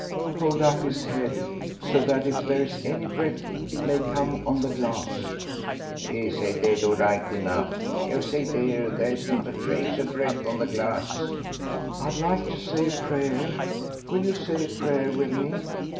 "Hold up his head, so that if there is any breath it may come on the glass." "He's dead, right enough. You see, dear, there's not a trace of breath on the glass." "I'd like to say a prayer. Will you say a prayer with me?"